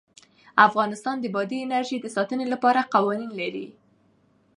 افغانستان د بادي انرژي د ساتنې لپاره قوانین لري.